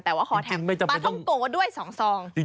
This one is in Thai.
แต่ว่าคอแถมปลาท่องโกด้วย๒ซอง